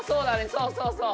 そうそうそう！